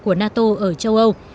của nato ở châu âu